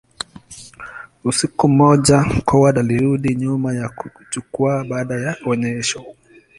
Usiku mmoja, Coward alirudi nyuma ya jukwaa baada ya onyesho.